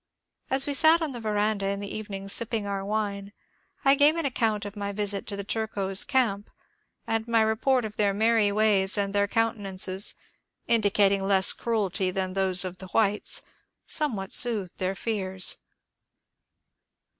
As we sat on the veranda in the evening sipping our wine, 1 gave an account of my visit to the Turcos' camp, and my report of their merry ways and their countenances, indicating less cruelty than those of the whites, somewhat soothed their fears.